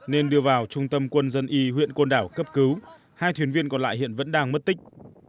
nên đưa vào trung tâm quân dân y huyện côn đảo cấp cứu hai thuyền viên còn lại hiện vẫn đang mất tích